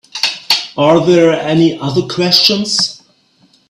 Are there any other questions?